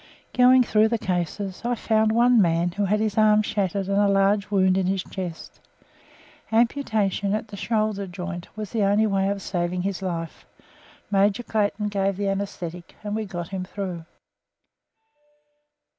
Going through the cases, I found one man who had his arm shattered and a large wound in his chest. Amputation at the shoulder joint was the only way of saving his life. Major Clayton gave the anaesthetic, and we got him through.